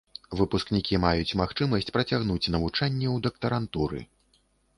Выпускнікі маюць магчымасць працягнуць навучанне ў дактарантуры.